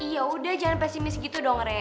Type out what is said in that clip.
ya udah jangan pesimis gitu dong re